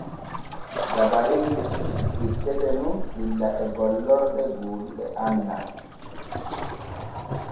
Dabareeji ɗi ettete nun illa e gollorɗe gooduɗe andal.